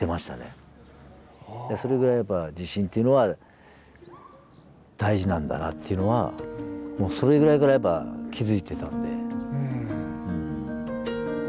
それぐらいやっぱ自信というのは大事なんだなっていうのはそれぐらいからやっぱ気付いてたんで。